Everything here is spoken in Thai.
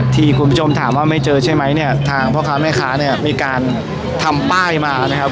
คุณผู้ชมถามว่าไม่เจอใช่ไหมเนี่ยทางพ่อค้าแม่ค้าเนี่ยมีการทำป้ายมานะครับ